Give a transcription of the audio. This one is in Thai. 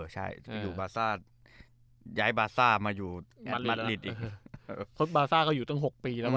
ใช่อยู่บาซ่าย้ายบาซ่ามาอยู่บาซ่าก็อยู่ตั้ง๖ปีแล้วม